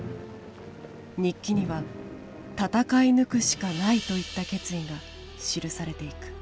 日記には戦い抜くしかないといった決意が記されていく。